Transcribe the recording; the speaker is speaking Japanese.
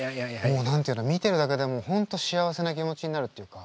もう何て言うの見てるだけでもう本当幸せな気持ちになるっていうか